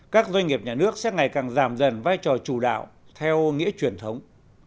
các doanh nghiệp nhà nước sẽ ngày càng giảm dần vai trò chủ đạo theo nghĩa truyền thống